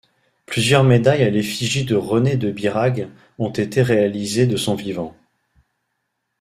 Plusieurs médailles à l'effigie de René de Birague ont été réalisées de son vivant.